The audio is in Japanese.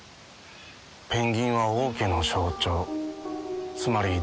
ペンギンは王家の象徴つまりドン家。